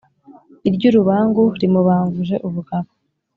iry’urubango rimubanguje ubugabo.